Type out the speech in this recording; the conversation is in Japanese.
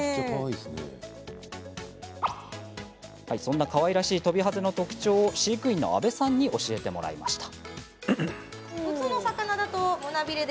そんなかわいらしいトビハゼの特徴を飼育員の安部さんに教えてもらいました。